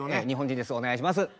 日本人ですお願いします。